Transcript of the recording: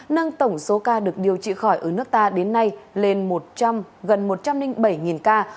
nâng tổng số ca được điều trị khỏi ở nước ta đến nay lên một trăm linh gần một trăm linh bảy ca